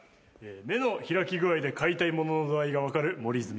目の開き具合で買いたいものの度合いが分かる森泉。